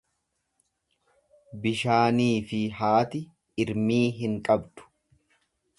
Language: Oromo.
Bishaaniif haati irmii hin qabdu.